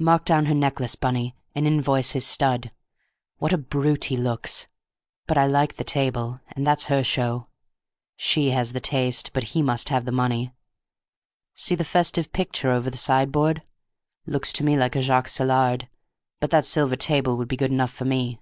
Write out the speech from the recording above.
Mark down her necklace, Bunny, and invoice his stud. What a brute he looks! But I like the table, and that's her show. She has the taste; but he must have money. See the festive picture over the sideboard? Looks to me like a Jacques Saillard. But that silver table would be good enough for me."